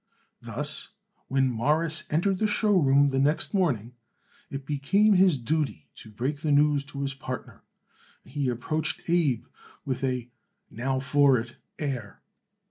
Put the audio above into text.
Thus, when Morris entered the show room the next morning it became his duty to break the news to his partner, and he approached Abe with a now for it air.